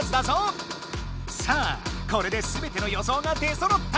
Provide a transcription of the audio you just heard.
さあこれですべての予想が出そろった！